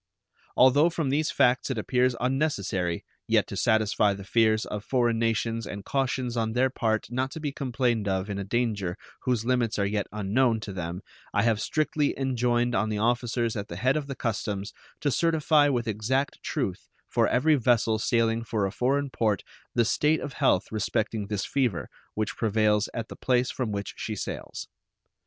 Although from these facts it appears unnecessary, yet to satisfy the fears of foreign nations and cautions on their part not to be complained of in a danger whose limits are yet unknown to them I have strictly enjoined on the officers at the head of the customs to certify with exact truth for every vessel sailing for a foreign port the state of health respecting this fever which prevails at the place from which she sails.